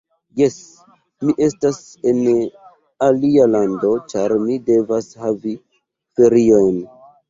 Jes, mi estas en alia lando ĉar mi devas havi feriojn